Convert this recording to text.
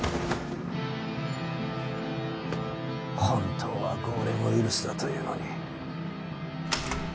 本当はゴーレムウイルスだというのに。